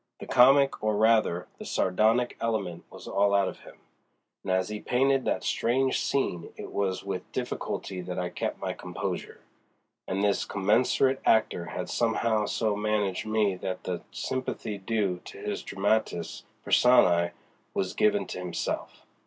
The comic, or rather, the sardonic element was all out of him, and as he painted that strange scene it was with difficulty that I kept my composure. And this consummate actor had somehow so managed me that the sympathy due to his dramatis personæ was given to himself.